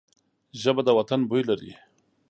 ژبه د وطن بوی لري